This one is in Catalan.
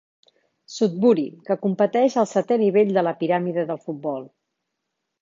Sudbury, que competeix al setè nivell de la piràmide del futbol.